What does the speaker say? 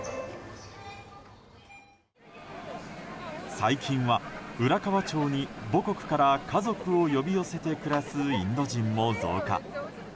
最近は浦河町に母国から家族を呼び寄せて暮らすインド人も増加。